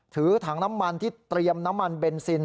ถือถังน้ำมันที่เตรียมน้ำมันเบนซิน